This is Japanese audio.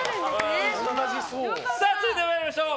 続いて参りましょう。